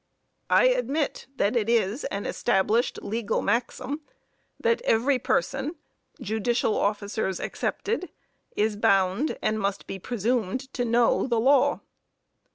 I admit that it is an established legal maxim that every person (judicial officers excepted) is bound, and must be presumed, to know the law.